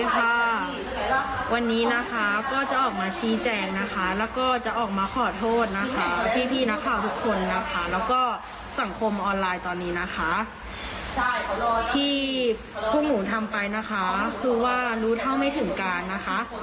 พวกหนูทำไปนะคะคือว่ารู้เท่าไม่ถึงการนะคะ